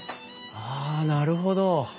ああなるほど。